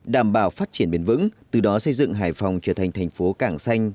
đảm bảo phát triển bền vững từ đó xây dựng hải phòng trở thành thành phố cảng xanh